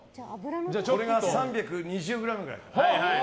これが３２０ｇくらい。